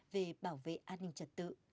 về bảo vệ an ninh trật tự